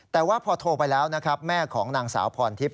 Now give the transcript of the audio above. แต่ว่าพอโทรไปแล้วนะครับแม่ของนางสาวพรทิพย